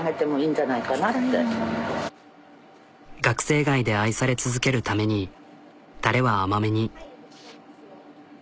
学生街で愛され続けるためにタレは甘めに。